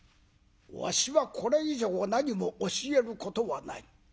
わしはこれ以上何も教えることはない。